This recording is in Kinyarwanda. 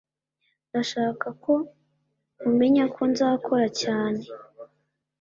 ndashaka ko umenya ko nzakora cyane